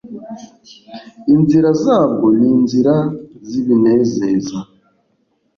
inzira zabwo ni inzira z’ibinezeza,